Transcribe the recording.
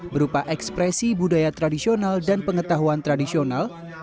berupa ekspresi budaya tradisional dan pengetahuan tradisional